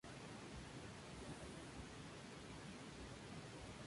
Igualmente cuenta con otras varias líneas urbanas de autobús.